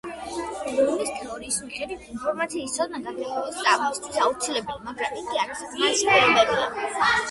ბლუმის თეორის მიხედვით, ინფორმაციის ცოდნა, გაგება სწავლისთვის აუცილებელი, მაგრამ იგი არასაკმარისი პირობაა.